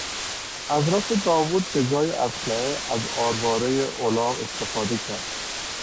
حضرت داود به جای اسلحه از آروارهی الاغ استفاده کرد.